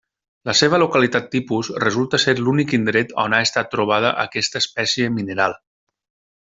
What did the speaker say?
La seva localitat tipus resulta ser l'únic indret on ha estat trobada aquesta espècie mineral.